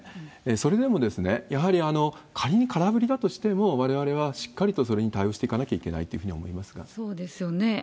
それでもやはり、仮に空振りだとしても、われわれはしっかりとそれに対応していかなきゃいけないというふそうですよね。